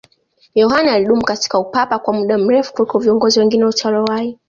yohane alidumu katika upapa kwa muda mrefu kuliko viongozi wengine wote waliowahi